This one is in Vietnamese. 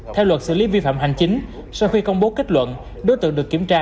theo luật xử lý vi phạm hành chính sau khi công bố kết luận đối tượng được kiểm tra